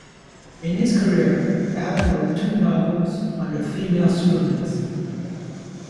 In his career, Allen wrote two novels under female pseudonyms.